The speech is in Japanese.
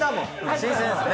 新鮮ですね。